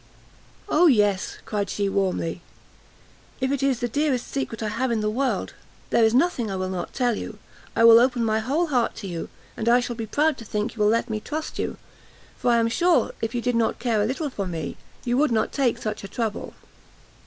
"O yes," cried she warmly, "if it is the dearest secret I have in the world! there is nothing I will not tell you; I will open my whole heart to you, and I shall be proud to think you will let me trust you, for I am sure if you did not care a little for me, you would not take such a trouble."